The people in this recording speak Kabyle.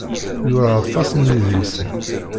Yura aṭas n yedlisen.